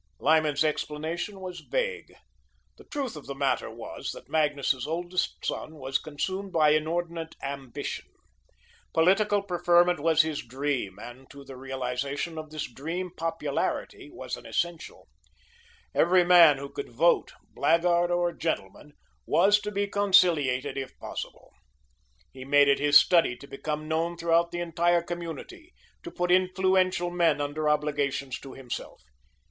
Lyman's explanation was vague. The truth of the matter was, that Magnus's oldest son was consumed by inordinate ambition. Political preferment was his dream, and to the realisation of this dream popularity was an essential. Every man who could vote, blackguard or gentleman, was to be conciliated, if possible. He made it his study to become known throughout the entire community to put influential men under obligations to himself.